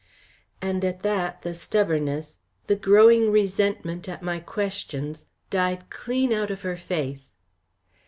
And at that the stubbornness, the growing resentment at my questions, died clean out of her face.